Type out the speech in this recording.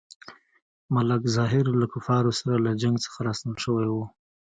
ملک ظاهر له کفارو سره له جنګ څخه راستون شوی وو.